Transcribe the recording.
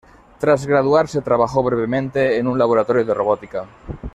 Tras graduarse trabajó brevemente en un laboratorio de robótica.